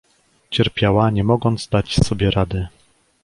Cierpiała nie mogąc dać sobie rady.